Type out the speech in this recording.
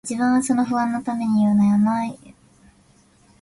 自分はその不安のために夜々、転輾し、呻吟し、発狂しかけた事さえあります